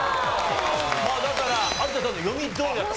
だから有田さんの読みどおりだった。